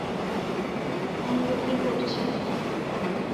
তাহলে কী করছি?